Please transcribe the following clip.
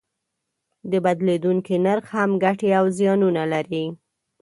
د بدلیدونکي نرخ هم ګټې او زیانونه لري.